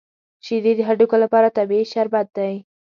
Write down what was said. شیدې د هډوکو لپاره طبیعي شربت دی